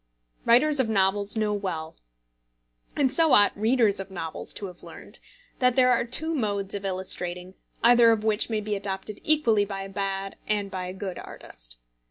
Writers of novels know well and so ought readers of novels to have learned that there are two modes of illustrating, either of which may be adopted equally by a bad and by a good artist.